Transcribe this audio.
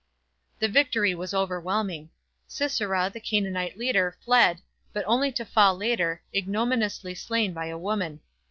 The victory was overwhelming. Sisera, the Canaanite leader, fled, but only to fall later, ignominiously slain by a woman.